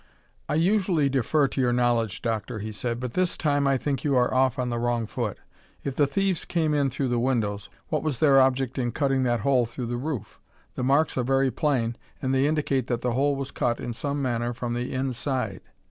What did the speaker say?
"I usually defer to your knowledge, Doctor," he said, "but this time I think you are off on the wrong foot. If the thieves came in through the windows, what was their object in cutting that hole through the roof? The marks are very plain and they indicate that the hole was cut in some manner from the inside."